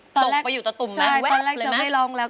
ตกไปอยู่ตะตุ่มมาแว๊บเลยนะตอนแรกจะไปร้องแล้ว